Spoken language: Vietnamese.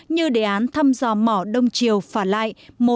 như đề án thăm dò mỏ đông triều phả lại